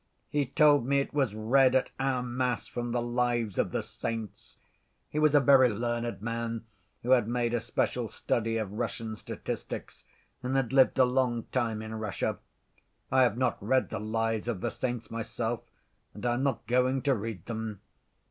He told me it was read at our mass from the Lives of the Saints ... he was a very learned man who had made a special study of Russian statistics and had lived a long time in Russia.... I have not read the Lives of the Saints myself, and I am not going to read them